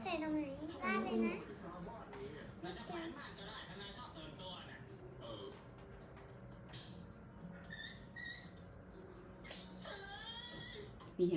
ใส่น้ำไหนได้เลยนะ